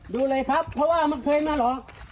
ดูเลยครับเค้าเคยมาหรอก